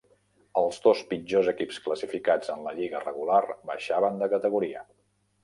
Els dos pitjors equips classificats en la lliga regular baixaven de categoria.